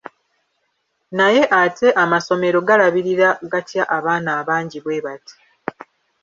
Naye ate amasomero galabirira gatya abaana abangi bwe bati?